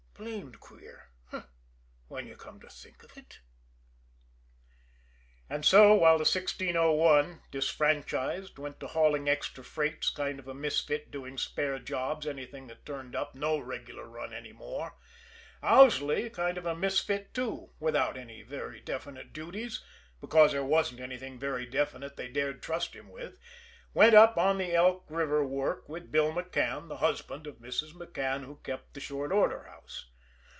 Blamed queer h'm when you come to think of it?" And so, while the 1601, disfranchised, went to hauling extra freights, kind of a misfit doing spare jobs, anything that turned up, no regular run any more, Owsley, kind of a misfit, too, without any very definite duties, because there wasn't anything very definite they dared trust him with, went up on the Elk River work with Bill McCann, the husband of Mrs. McCann, who kept the short order house.